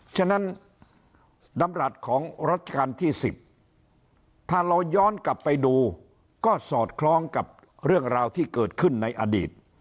ฉะนั้นดำรัฐของรัชกาลที่๑๐ถ้าเราย้อนกลับไปดูก็สอดคล้องกับเรื่องราวที่เกิดขึ้นในอดีต